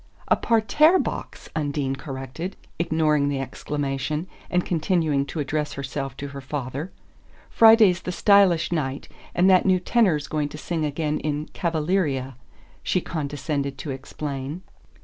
"A parterre box," Undine corrected, ignoring the exclamation, and continuing to address herself to her father. "Friday's the stylish night, and that new tenor's going to sing again in 'Cavaleeria,'" she condescended to explain.